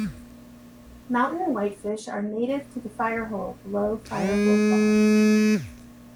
Mountain whitefish are native to the Firehole below Firehole Falls.